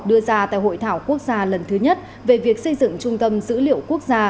đưa ra tại hội thảo quốc gia lần thứ nhất về việc xây dựng trung tâm dữ liệu quốc gia